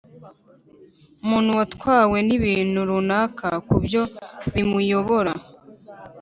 umuntu watwawe n’ibintu runaka ku buryo bimuyobora.